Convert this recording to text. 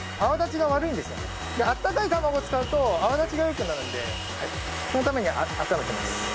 あったかい卵使うと泡立ちが良くなるんでそのために温めてます。